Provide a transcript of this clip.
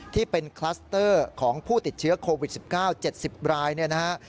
ที่เป็นคลัสเตอร์ของผู้ติดเชื้อโควิด๑๙๗๐รายเนี่ยนะฮะ